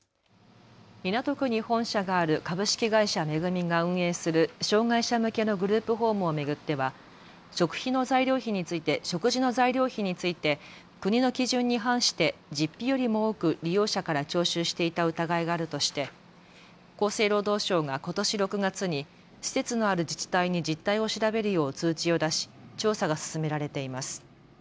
港区に本社がある株式会社恵が運営する障害者向けのグループホームを巡っては食事の材料費について国の基準に反して実費よりも多く利用者から徴収していた疑いがあるとして厚生労働省がことし６月に施設のある自治体に実態を調べるよう通知を出し調査が進められています。